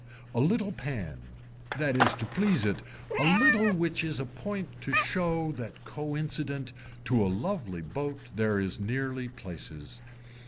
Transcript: A little pan, that is to please it, a little which is a point to show that co incident to a lively boat there is nearly places.